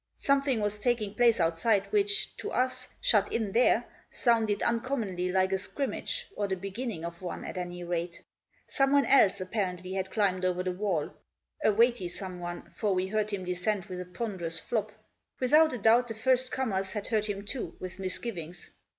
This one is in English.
Something was taking place outside which, to us, shut in there, sounded uncommonly like a scrimmage, or the beginning of one, at any rate. Someone else, apparently, had climbed over the wall, a weighty someone, for we heard him descend with a ponderous flop. Without a doubt, the first comers had heard him too, with misgivings.